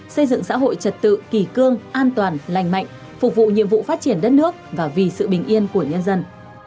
xây dựng xã hội trật tự kỳ cương an toàn lành mạnh phục vụ nhiệm vụ phát triển đất nước và vì sự bình yên của nhân dân